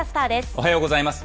おはようございます。